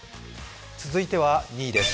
続いては２位です。